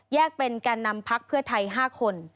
เป็นการนำพักเพื่อไทย๕คน